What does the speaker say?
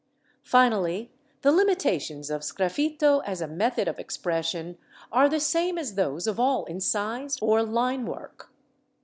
Finally, the limitations of sgraffito as a method of expression are the same as those of all incised or line work.